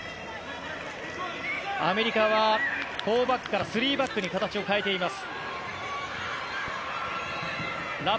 アメリカは４バックから３バックに形を変えています。